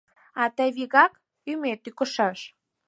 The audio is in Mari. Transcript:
А тый вигак — юмет тӱкышаш!